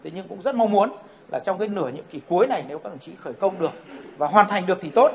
nhưng cũng rất mong muốn trong nửa những kỳ cuối này nếu các đồng chí khởi công được và hoàn thành được thì tốt